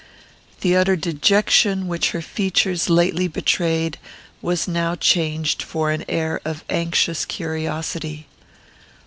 The utter dejection which her features lately betrayed was now changed for an air of anxious curiosity.